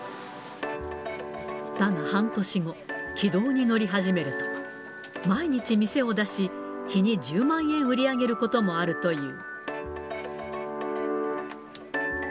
だが半年後、軌道に乗り始めると、毎日店を出し、日に１０万円を売り上げることもあるという。